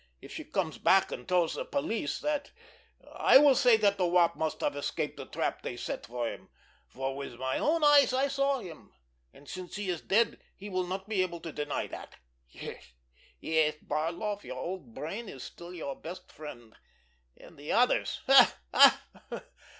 If she comes back and tells the police that, I will say that the Wop must have escaped the trap they set for him, for with my own eyes I saw him, and since he is dead he will not be able to deny that. Yes, yes, Barloff, your old brain is still your best friend! And the others—ha, ha!